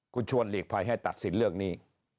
คุณชวนหลีกภัยให้ตัดสินเรื่องนี้